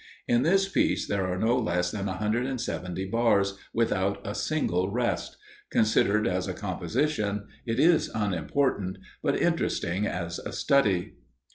In this piece there are no less than 170 bars without a single rest. Considered as a composition, it is unimportant, but interesting as a study.